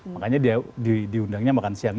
makanya diundangnya makan siang